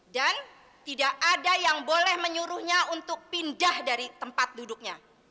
dan tidak ada yang boleh menyuruhnya untuk pindah dari tempat duduknya